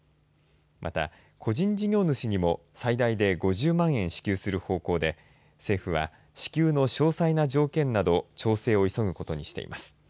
また個人事業主にも最大で、５０万円支給する方向で政府は支給の詳細な条件など調整を急ぐことにしています。